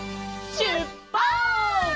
しゅっぱつ！